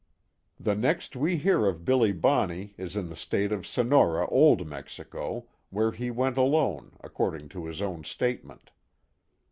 The next we hear of Billy Bonney is in the State of Sonora, Old Mexico, where he went alone, according to his own statement.